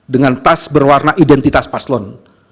dengan tas berwarna identitas paslon